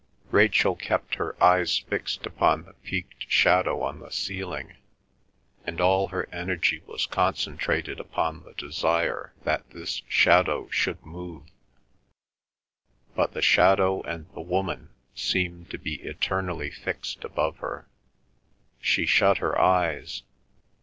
Rachel kept her eyes fixed upon the peaked shadow on the ceiling, and all her energy was concentrated upon the desire that this shadow should move. But the shadow and the woman seemed to be eternally fixed above her. She shut her eyes.